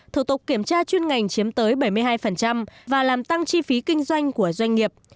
thủ tục kiểm tra chuyên ngành chiếm tới bảy mươi hai và làm tăng chi phí kinh doanh của doanh nghiệp